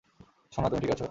সোনা, তুমি ঠিক আছো?